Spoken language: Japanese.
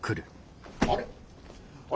あれ？